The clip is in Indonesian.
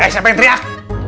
eh siapa yang teriak